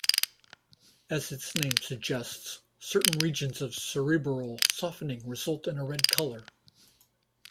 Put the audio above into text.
As its name suggests, certain regions of cerebral softening result in a red color.